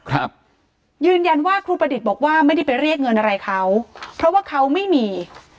ครับยืนยันว่าครูประดิษฐ์บอกว่าไม่ได้ไปเรียกเงินอะไรเขาเพราะว่าเขาไม่มี